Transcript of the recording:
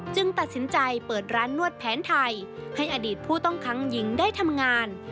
ตัดสินใจเปิดร้านนวดแผนไทยให้อดีตผู้ต้องค้างหญิงได้ทำงาน